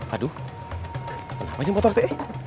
aduh kenapa ini motornya